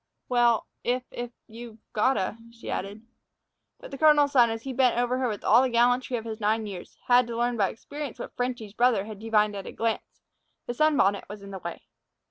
"Well, if if you've got t'," she added. But the colonel's son, as he bent over her with all the gallantry of his nine years, had to learn by experience what "Frenchy's" brother had divined at a glance: the sunbonnet was in the way.